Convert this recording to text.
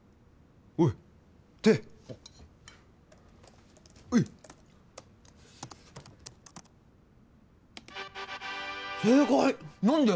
おい手うい正解何で？